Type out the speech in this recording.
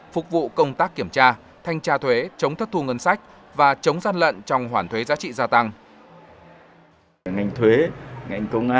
phục vụ công tác kiểm tra thanh tra thuế chống thất thu ngân sách và chống gian lận trong hoàn thuế giá trị gia tăng